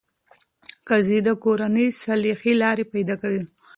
قاضي د کورني صلحې لارې پیدا کوي.